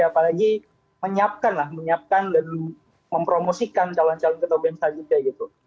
apalagi menyiapkan lah menyiapkan dan mempromosikan calon calon ketua bem selanjutnya gitu